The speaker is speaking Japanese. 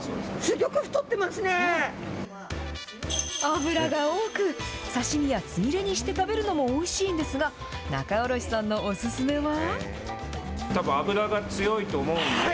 脂が多く、刺身やつみれにして食べるのもおいしいんですが、仲卸さんのお勧めは。